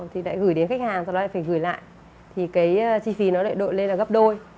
thì lại gửi đến khách hàng và nó lại phải gửi lại thì cái chi phí nó lại đội lên là gấp đôi